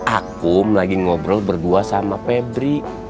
aku lagi ngobrol berdua sama pebri